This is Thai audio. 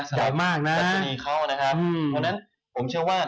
เพราะฉะนั้นผมเชื่อว่า